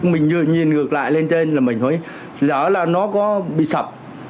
mình nhìn ngược lại lên trên là mình hỏi lỡ là nó có bị sập